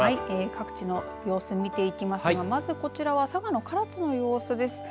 各地の様子見ていきますがまずこちら佐賀の唐津の様子です。